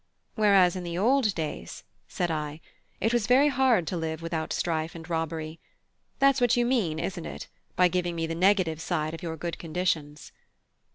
"Whereas in the old days," said I, "it was very hard to live without strife and robbery. That's what you mean, isn't it, by giving me the negative side of your good conditions?"